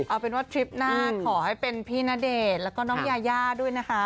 เอาเป็นว่าทริปหน้าขอให้เป็นพี่ณเดชน์แล้วก็น้องยายาด้วยนะคะ